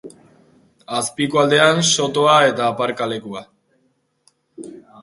Azpiko aldean sotoa eta aparkalekua.